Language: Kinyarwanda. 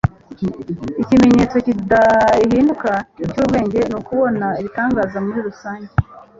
ikimenyetso kidahinduka cy'ubwenge ni ukubona ibitangaza muri rusange